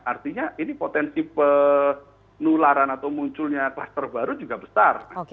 artinya ini potensi penularan atau munculnya kluster baru juga besar